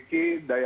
kita bisa melakukan